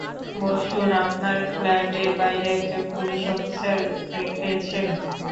বসুন আপনার ফ্ল্যাটের বাইরে একজন পুলিশ অফিসার রেখেছেন।